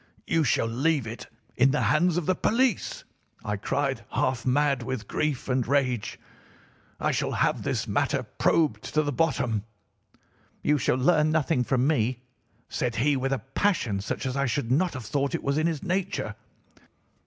"'You shall leave it in the hands of the police!' I cried half mad with grief and rage. 'I shall have this matter probed to the bottom.' "'You shall learn nothing from me,' said he with a passion such as I should not have thought was in his nature.